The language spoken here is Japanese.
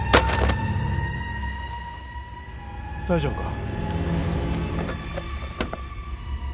大丈夫か？